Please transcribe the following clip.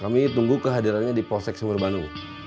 kami tunggu kehadirannya di posek semurbanu